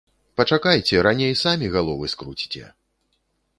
Пачакайце, раней самі галовы скруціце.